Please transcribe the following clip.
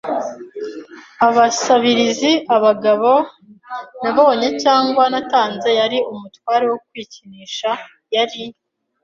abasabirizi-abagabo nabonye cyangwa natanze, yari umutware wo kwikinisha. Yari